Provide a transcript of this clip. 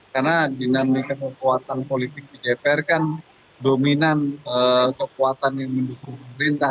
karena dinamikan kekuatan politik di dpr kan dominan kekuatan yang mendukung perintah